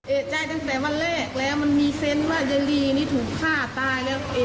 เอกใจตั้งแต่วันแรกแล้วมันมีเซนต์ว่ายายลีนี่ถูกฆ่าตายแล้ว